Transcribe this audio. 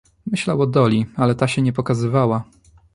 "Myślał o Doli, ale ta się nie pokazywała."